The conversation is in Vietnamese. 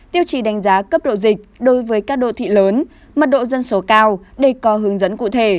tiêu chí đánh giá cấp độ dịch đối với các đô thị lớn mật độ dân số cao để có hướng dẫn cụ thể